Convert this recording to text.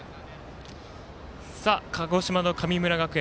鹿児島の神村学園